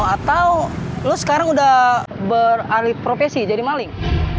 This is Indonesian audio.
atau lo sekarang udah beralih profesi jadi maling